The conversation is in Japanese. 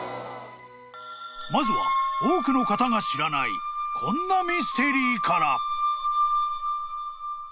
［まずは多くの方が知らないこんなミステリーから］